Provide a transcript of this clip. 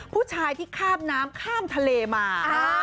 ผู้ชายที่ข้ามน้ำข้ามทะเลมา